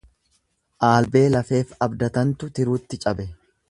Aalbee lafeef abdatantu tiruutti cabe.